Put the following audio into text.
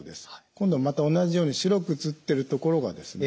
今度はまた同じように白く映っているところがですね